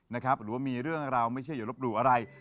หรือว่ามีเรื่องราวไม่ใช่อย่ารบหลู่อะไร